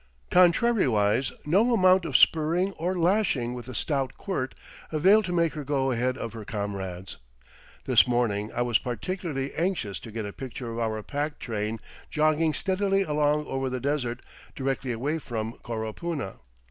Contrariwise, no amount of spurring or lashing with a stout quirt availed to make her go ahead of her comrades. This morning I was particularly anxious to get a picture of our pack train jogging steadily along over the desert, directly away from Coropuna.